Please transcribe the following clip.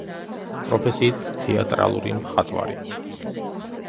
პროფესიით თეატრალური მხატვარი.